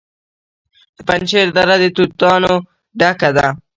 د پنجشیر دره د توتانو ډکه ده.